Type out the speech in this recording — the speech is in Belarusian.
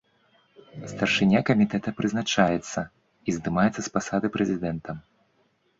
Старшыня камітэта прызначаецца і здымаецца з пасады прэзідэнтам.